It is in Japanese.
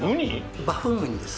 バフンウニです。